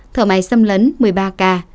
thở máy xâm lấn một mươi ba ca